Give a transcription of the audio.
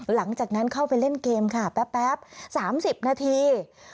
หลังจากนั้นเข้าไปเล่นเกมค่ะแป๊บ๓๐นาที